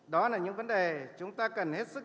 đó là những vấn đề chúng ta cần hết sức